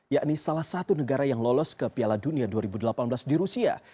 yakni salah satu negara yang lolos ke piala dunia dua ribu delapan belas di rusia